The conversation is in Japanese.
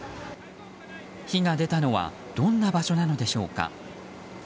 火が出たのはどんな場所なのでしょうか。